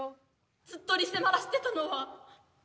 ずっとリセマラしてたのは先生？